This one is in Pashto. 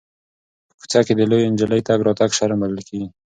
په کوڅه کې د لویې نجلۍ تګ راتګ شرم بلل کېږي.